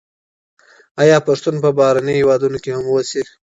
آیا پښتون په بهرنیو هېوادونو کي هم اوسي؟